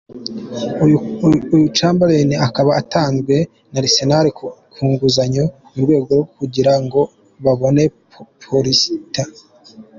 Uyu Campbell akaba atanzwe na Arsenal kunguzanyo murwego rwo kugira ngo babone Paulista.